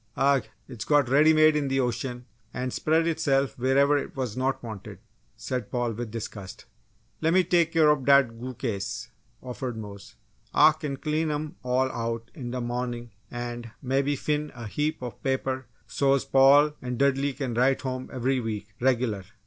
"Agh! It's got ready made in the ocean and spread itself wherever it was not wanted!" said Paul, with disgust. "Lemme take care ob dat goo case!" offered Mose. "Ah kin clean 'em all out in d' mawnin' an' mebbe fin' a heap of paper so's Paul an' Dudley kin write home every week, reg'lar!"